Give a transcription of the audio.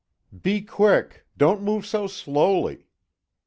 "Be quick! Don't move so slowly."